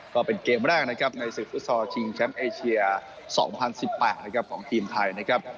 ก็เป็นเกมแรกนะครับในศึกฟุตซอลชิงแชมป์เอเชีย๒๐๑๘นะครับของทีมไทยนะครับ